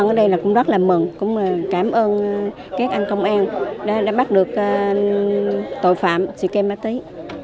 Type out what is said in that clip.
nhân dân ở đây cũng rất là mừng cũng cảm ơn các anh công an đã bắt được tội phạm triệt phá ma túy